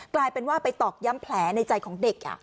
กลายเป็นว่าไปตอกย้ำแผลในใจของเด็ก